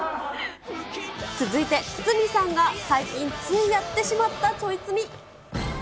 続いて、堤さんが最近ついやってしまったちょい罪。